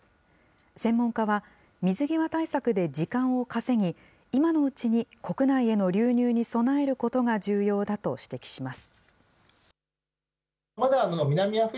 専門家は、水際対策で時間を稼ぎ、今のうちに国内への流入に備えることが重要だと指摘します。